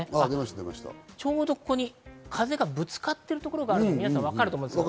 ここに風がぶつかっているところがあるのがわかると思います。